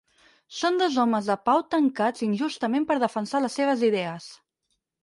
Són dos homes de pau tancats injustament per defensar les seves idees.